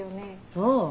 そう？